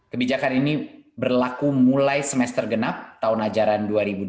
kebijakan ini berlaku mulai semester genap tahun ajaran dua ribu dua puluh dua ribu dua puluh dua